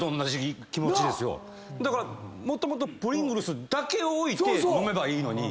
もともとプリングルズだけを置いて飲めばいいのに。